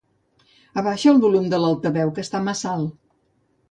Abaixa el volum de l'altaveu que està massa alt.